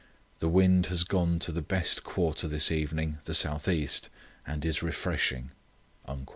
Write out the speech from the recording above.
The wind has gone to the best quarter this evening, the south east, and is freshening."